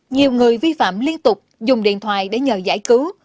nhiều người vi phạm liên tục dùng điện thoại để nhờ giải cứu